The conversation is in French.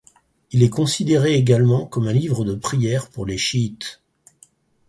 Il est considéré également comme un livre de prières pour les chiites.